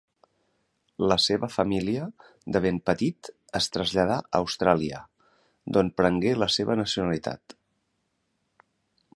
La seva família de ben petit es traslladà a Austràlia, d'on prengué la seva nacionalitat.